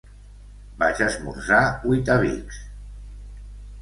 Vaig esmorzar Weetabix.